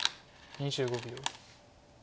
２５秒。